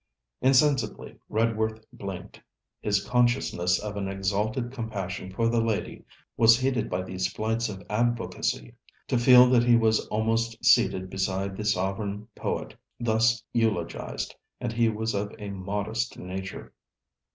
Insensibly Redworth blinked. His consciousness of an exalted compassion for the lady was heated by these flights of advocacy to feel that he was almost seated beside the sovereign poet thus eulogized, and he was of a modest nature.